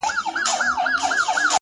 • د ژوند په څو لارو كي،